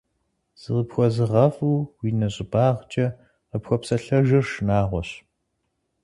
ЗыкъыпхуэзыгъэфӀыу уи нэщӀыбагъкӀэ къыпхуэпсэлъэжыр шынагъуэщ.